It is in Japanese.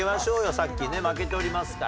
さっきね負けておりますから。